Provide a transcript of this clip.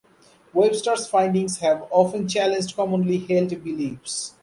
Webster’s findings have often challenged commonly held beliefs.